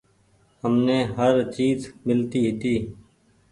همني هر چئيز ملتي هيتي۔